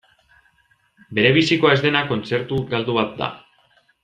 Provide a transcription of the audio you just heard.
Berebizikoa ez dena kontzertu galdu bat da.